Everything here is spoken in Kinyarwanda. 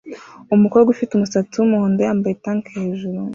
Umukobwa ufite umusatsi wumuhondo yambaye tank-hejuru